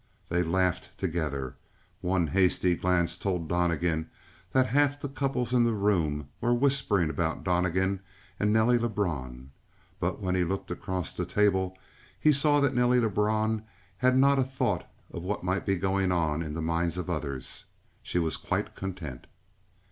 They laughed together. One hasty glance told Donnegan that half the couples in the room were whispering about Donnegan and Nelly Lebrun; but when he looked across the table he saw that Nelly Lebrun had not a thought for what might be going on in the minds of others. She was quite content.